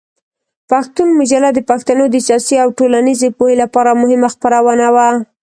پښتون مجله د پښتنو د سیاسي او ټولنیزې پوهې لپاره مهمه خپرونه وه.